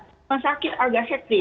rumah sakit agak hektis